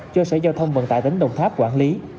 cho sở giao thông vận tải tỉnh đồng tháp quản lý